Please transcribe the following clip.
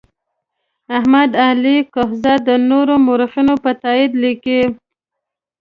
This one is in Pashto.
احمد علي کهزاد د نورو مورخینو په تایید لیکي.